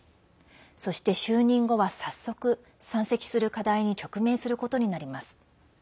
そして、就任後は早速山積する課題に直面することになります。